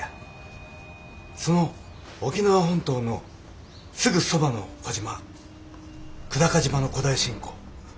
その沖縄本島のすぐそばの小島久高島の古代信仰。